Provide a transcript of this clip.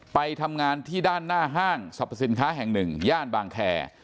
ไปทำงานที่ด้านหน้าห้างสรรพสินค้าแห่งหนึ่งย่านบางแคร์